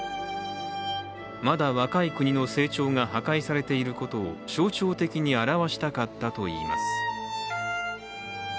まだ若い国の成長が破壊されていることを象徴的に表したかったといいます。